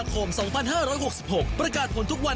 คม๒๕๖๖ประกาศผลทุกวัน